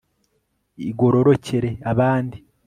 igororokera abandi